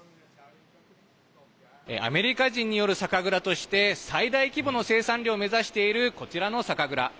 アメリカ人による酒蔵として最大規模の生産量を目指しているこちらの酒蔵。